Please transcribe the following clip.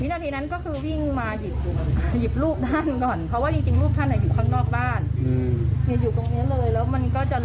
ทีนั้นก็คือวิ่งมาหยิบหยิบรูปด้านก่อนเพราะว่าจริงจริง